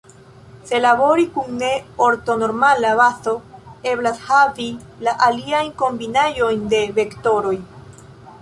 Se labori kun ne-ortonormala bazo, eblas havi la aliajn kombinaĵojn de vektoroj.